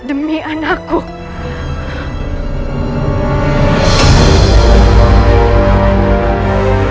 aku harus melakukan sesuatu